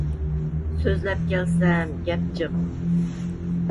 سۆزلەپ كەلسەم گەپ جىق!